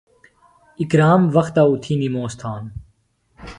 اکرم وختہ اُتھیۡ نِموس تھانوۡ۔